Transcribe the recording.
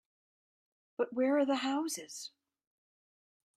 But where are the houses?